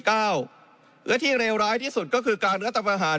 และที่เลวร้ายที่สุดก็คือการรัฐประหาร